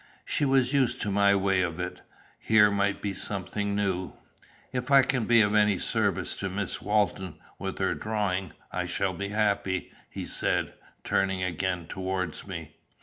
She was used to my way of it: here might be something new. "If I can be of any service to Miss Walton with her drawing, I shall be happy," he said, turning again towards me.